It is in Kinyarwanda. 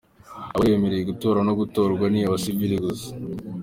Abari bemerewe gutora no gutorwa ni abasivili gusa.